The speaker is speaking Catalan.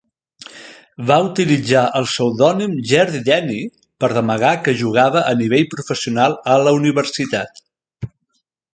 Va utilitzar el pseudònim "Jerry Denny" per amagar que jugava a nivell professional a la universitat.